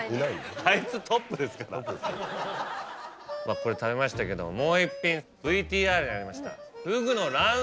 これ食べましたけどもう一品ＶＴＲにありました。